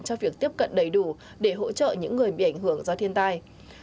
cho việc tiếp cận đầy đủ để hỗ trợ những người bị ảnh hưởng do thiên tai